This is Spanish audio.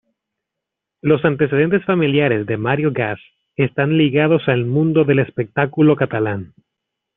Los antecedentes familiares de Mario Gas están ligados al mundo del espectáculo catalán.